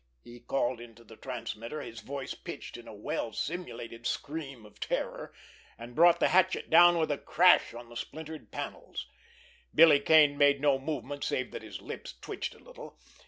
he called into the transmitter, his voice pitched in a well simulated scream of terror, and brought the hatchet down with a crash on the splintered panels. Billy Kane made no movement save that his lips twitched a little.